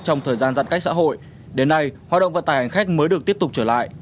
trong thời gian giãn cách xã hội đến nay hoạt động vận tải hành khách mới được tiếp tục trở lại